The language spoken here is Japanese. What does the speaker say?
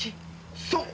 そう！